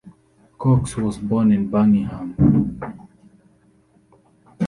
Cox was born in Birmingham.